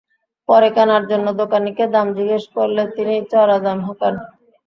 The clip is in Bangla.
পরে কেনার জন্য দোকানিকে দাম জিজ্ঞেস করলে তিনি চড়া দাম হাঁকান।